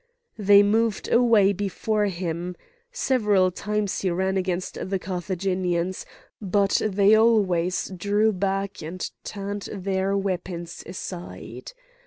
They moved away before him. Several times he ran against the Carthaginians. But they always drew back and turned their weapons aside.